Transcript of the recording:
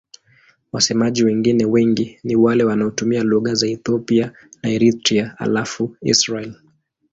Wasemaji wengine wengi ni wale wanaotumia lugha za Ethiopia na Eritrea halafu Israel.